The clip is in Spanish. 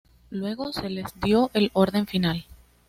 Luego se les dio el orden final.